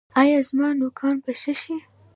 ایا زما نوکان به ښه شي؟